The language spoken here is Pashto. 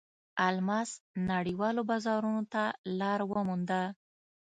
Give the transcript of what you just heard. الماس نړیوالو بازارونو ته لار ومونده.